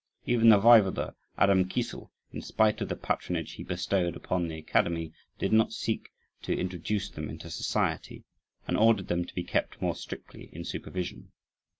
Even the Waiwode, Adam Kisel, in spite of the patronage he bestowed upon the academy, did not seek to introduce them into society, and ordered them to be kept more strictly in supervision.